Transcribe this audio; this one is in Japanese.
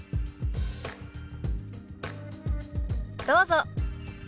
どうぞ。